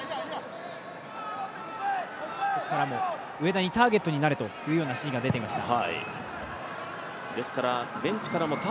上田にターゲットになれという指示が出ていました。